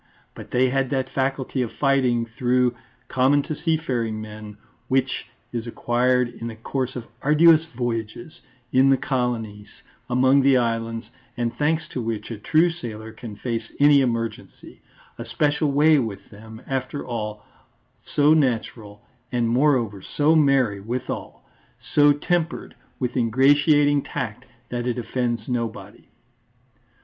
But they had that faculty of fighting through, common to seafaring men, which is acquired in the course of arduous voyages, in the colonies, among the islands, and thanks to which a true sailor can face any emergency a special way with them, after all so natural and moreover so merry withal, so tempered with ingratiating tact that it offends nobody.